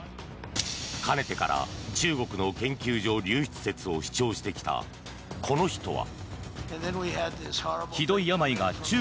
かねてから中国の研究所流出説を主張してきたこの人は。